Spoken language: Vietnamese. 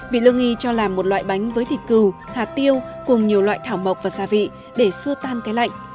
vị lương nghi cho làm một loại bánh với thịt cừu hạt tiêu cùng nhiều loại thảo mộc và gia vị để xua tan cái lạnh